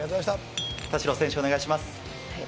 田代選手、お願いします。